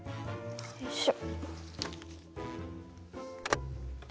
よいしょ。